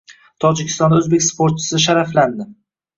Tojikistonda o‘zbek sportchisi sharaflandi